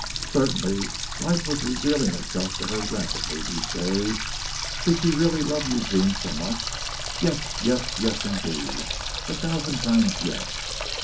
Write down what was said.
Certainly life was revealing itself to her rapidly these days. Did she really love Eugene so much? Yes, yes, yes, indeed. A thousand times yes.